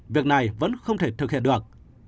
việc này vẫn không thể thực hiện được